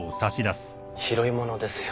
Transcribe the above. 拾い物ですよね？